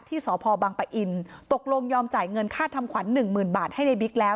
ที่สพบังปะอินตกลงยอมจ่ายเงินค่าทำขวัญหนึ่งหมื่นบาทให้ในบิ๊กแล้ว